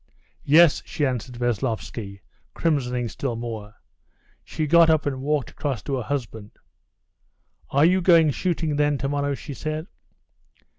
"Yes," she answered Veslovsky, crimsoning still more. She got up and walked across to her husband. "Are you going shooting, then, tomorrow?" she said.